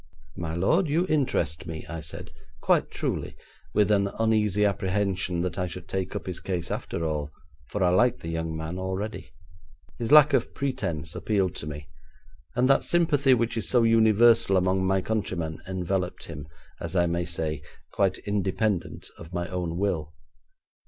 'My lord, you interest me,' I said, quite truly, with an uneasy apprehension that I should take up his case after all, for I liked the young man already. His lack of pretence appealed to me, and that sympathy which is so universal among my countrymen enveloped him, as I may say, quite independent of my own will.